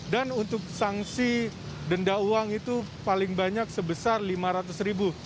dan untuk sanksi denda uang itu paling banyak sebesar lima ratus ribu